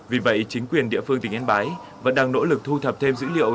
vì vậy chính quyền địa phương tỉnh yên bái vẫn đang nỗ lực thu thập thêm dữ liệu